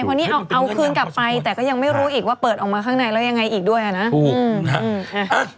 พอนี่เอาคืนกลับไปแต่ก็ยังไม่รู้อีกว่าเปิดออกมาข้างในแล้วยังไงอีกด้วยอ่ะนะ